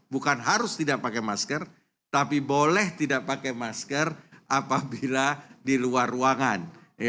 bukan harus tidak pakai masker tapi boleh tidak pakai masker apabila di luar ruangan